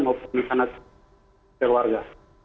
maupun di sana keluarga